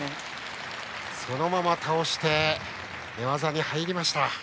そのまま倒して寝技に入りました。